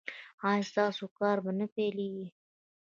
ایا ستاسو کار به نه پیلیږي؟